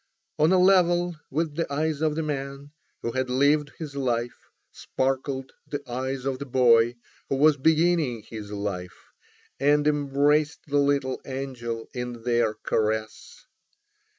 On a level with the eyes of the man, who had lived his life, sparkled the eyes of the boy, who was beginning his life, and embraced the little angel in their caress.